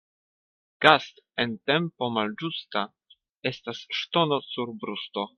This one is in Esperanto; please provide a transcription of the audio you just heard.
Gast' en tempo malĝusta estas ŝtono sur brusto.